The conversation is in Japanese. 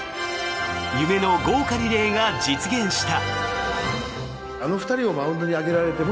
夢の豪華リレーが実現した。